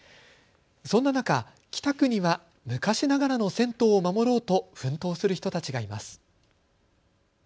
そんな中、北区には昔ながらの銭湯を守ろうと奮闘する人たちがいます。